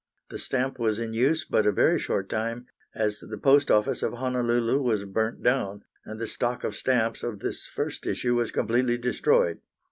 The stamp was in use but a very short time, as the Post Office of Honolulu was burnt down, and the stock of stamps of this first issue was completely destroyed.